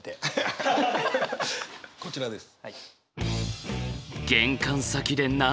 こちらです。